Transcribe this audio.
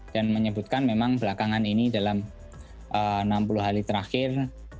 dan menyebutkan memang belakangan ini dalam enam puluh hari terakhir